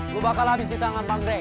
lu bakal habis di tangan panggri